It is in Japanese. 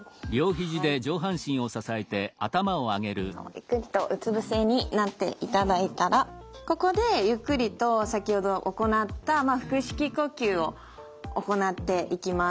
ゆっくりとうつ伏せになっていただいたらここでゆっくりと先ほど行った腹式呼吸を行っていきます。